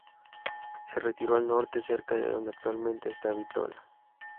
Se retiró al norte, cerca de donde actualmente esta Bitola.